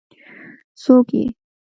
ـ څوک یې؟